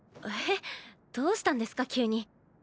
えぇ⁉どうしたんですか急に。